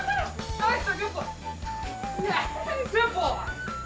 ナイス！